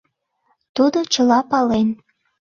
— Тудо чыла пален.